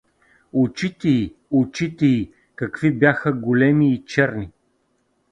Очите й, очите й, какви бяха големи и черни!